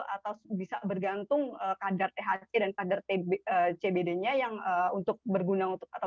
atau bisa bergantung kadar thc dan kadar cbd nya yang untuk berguna atau berkandungan